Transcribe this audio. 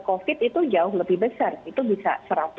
covid itu jauh lebih besar itu bisa